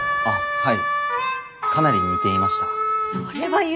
はい。